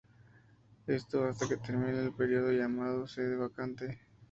Esto, hasta que termine el periodo llamado Sede Vacante.